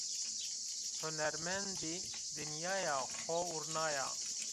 Hunermendî dinyaya xo vurnaya